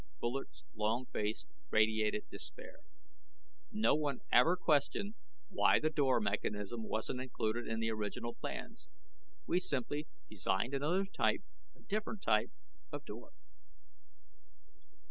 Bullard's long face radiated despair. "No one ever questioned why the door mechanism wasn't included in the original plans. We simply designed another type a different type of door."